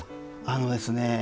あのですね